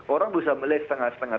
orang bisa melihat setengah setengah